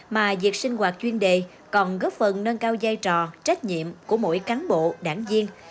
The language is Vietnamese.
mà việc sinh hoạt chuyên đề còn góp phần nâng cao giai trò trách nhiệm của mỗi cán bộ đảng viên